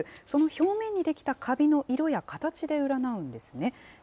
その表面に出来たかびの色や形で占うんですね。